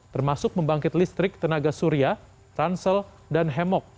termasuk membangkit listrik tenaga surya transsel dan hemok